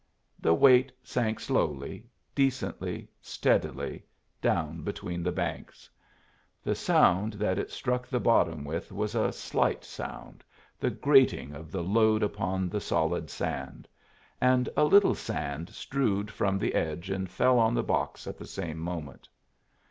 The weight sank slowly, decently, steadily, down between the banks. The sound that it struck the bottom with was a slight sound, the grating of the load upon the solid sand; and a little sand strewed from the edge and fell on the box at the same moment.